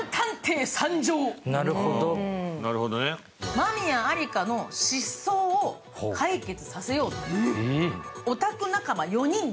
真宮アリカの失踪を解決させようと、いいね。